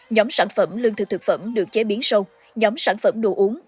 nhóm sản phẩm lương thực thực phẩm được chế biến sâu nhóm sản phẩm đồ uống